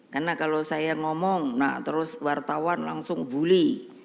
karena kalau saya ngomong nah terus wartawan langsung bully